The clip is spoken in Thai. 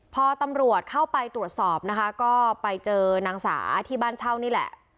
พอตำรวจเข้าไปตรวจสอบนะคะก็ไปเจอนางสาที่บ้านเช่านี่แหละ